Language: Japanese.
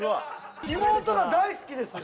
妹が大好きですよ・